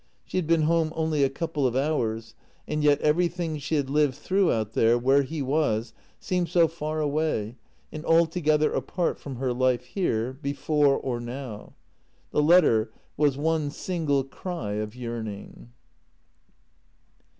She had been home only a couple of hours, and yet everything she had lived through out there, where he was, seemed so far away and altogether apart from her life here, before or now. The letter was one single cry of yearning.